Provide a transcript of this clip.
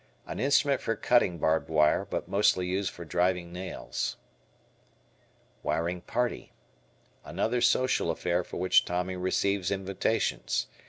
An instrument for cutting barbed wire, but mostly used for driving nails. Wiring Party. Another social affair for which Tommy receives invitations.